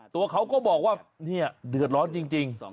ตัวเขาก็บอกว่าเนี่ยเดือดร้อนจริง